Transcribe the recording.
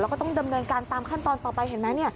แล้วก็ต้องดำเนินการตามขั้นตอนต่อไปเห็นไหม